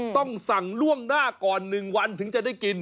ต้องสั่งล่วงหน้าก่อน๑วันถึงจะได้กิน